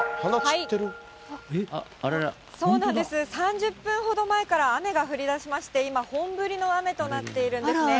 あっ、そうなんです、３０分ほど前から、雨が降りだしまして、今、本降りの雨となっているんですね。